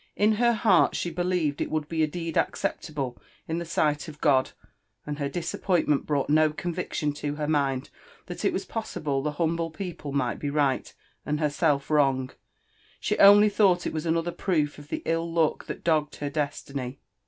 Inher heart she beliered it would be adeed acceptable in the sight of God, and her diuppointment brought no conrittion to her mind that h WW possible the humble people might be right, and herself vroi^ ; ihc only thought It was another proof of the ill luck that dogged her destiny.